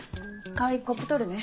川合コップ取るね。